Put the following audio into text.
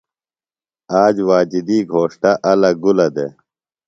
آج واجدی گھوݜٹہ الہ گُلہ دےۡ۔